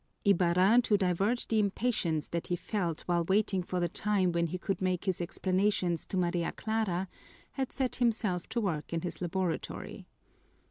Ibarra, to divert the impatience that he felt while waiting for the time when he could make his explanations to Maria Clara, had set himself to work in his laboratory.